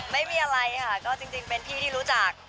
ไม่มีอะไรค่ะก็จริงเป็นพี่ที่รู้จัก